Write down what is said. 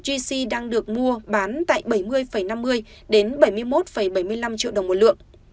gc đang được mua bán tại bảy mươi năm mươi đến bảy mươi một bảy mươi năm triệu đồng một lượng